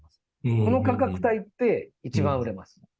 その価格帯って、一番売れます。